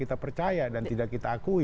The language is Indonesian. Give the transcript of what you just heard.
kepada pemerintahan yang tidak kita percaya